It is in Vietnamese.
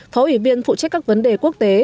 phó ủy viên phụ trách các vấn đề quốc tế